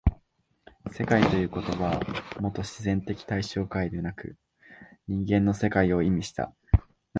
「世界」という言葉はもと自然的対象界でなく人間の世界を意味した。